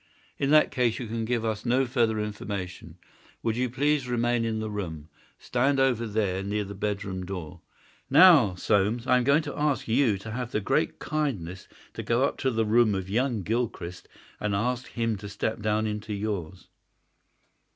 "In that case you can give us no further information. Would you please remain in the room? Stand over there near the bedroom door. Now, Soames, I am going to ask you to have the great kindness to go up to the room of young Gilchrist, and to ask him to step down into yours."